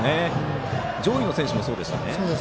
上位の選手もそうでしたね。